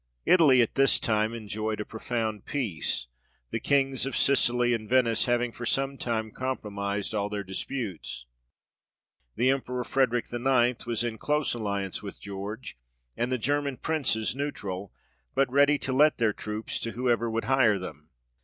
Italy at this time enjoyed a profound peace, the Kings of Sicily and Venice having for some time compromised 64 THE REIGN OF GEORGE VI. all their disputes. The Emperor Frederick IX. was in close alliance with George, and the German Princes neutral, but ready to let their troops to whoever would hire them.